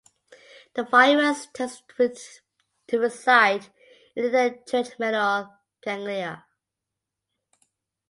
The virus tends to reside in the trigeminal ganglia.